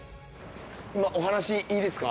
今お話いいですか？